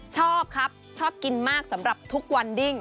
ชอบครับชอบกินมากสำหรับทุกวันดิ้ง